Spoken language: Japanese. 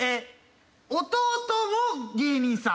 弟も芸人さん。